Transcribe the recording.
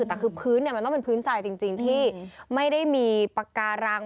แต่คือพื้นมันต้องเป็นพื้นทรายจริงที่ไม่ได้มีปากการัง